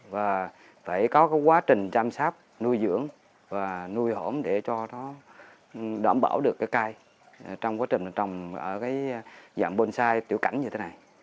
và phải có cái quá trình chăm sóc nuôi dưỡng và nuôi hổm để cho nó đảm bảo được cái cây trong quá trình trồng ở cái dạng bonsai tiểu cảnh như thế này